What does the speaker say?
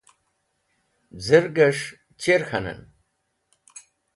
Z̃irgẽs̃h chir k̃hanẽn?